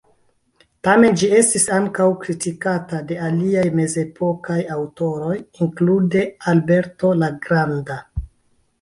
Tamen ĝi estis ankaŭ kritikata de aliaj mezepokaj aŭtoroj, inklude Alberto la Granda.